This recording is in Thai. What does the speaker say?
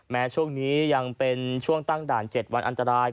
แม้ช่วงนี้ยังเป็นช่วงตั้งด่าน๗วันอันตราย